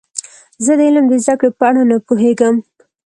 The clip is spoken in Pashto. زه د علم د زده کړې په اړه نه پوهیږم.